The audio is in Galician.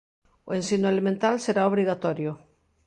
O ensino elemental será obrigatorio.